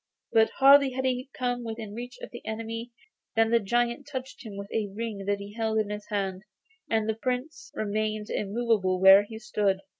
But hardly had he come within reach of the enemy, than the giant touched him with a ring that he held in his hand, and the Prince remained immovable where he stood.